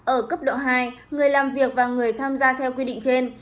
ở cấp độ hai người làm việc và người tham gia theo quy định trên